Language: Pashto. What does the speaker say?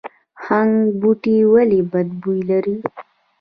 هنګ بوټی ولې بد بوی لري؟